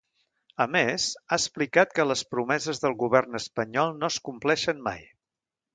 A més, ha explicat que les promeses del govern espanyol no es compleixen mai.